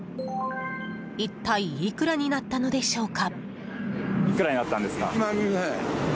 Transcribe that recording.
一体いくらになったのでしょうか。